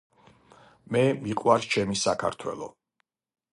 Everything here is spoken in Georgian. მე მიყვარს ჩემი საქართველო.